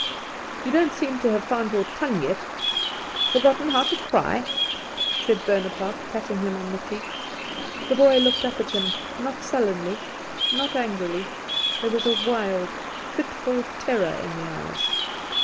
"You don't seem to have found your tongue yet. Forgotten how to cry?" said Bonaparte, patting him on the cheek. The boy looked up at him not sullenly, not angrily. There was a wild, fitful terror in the eyes.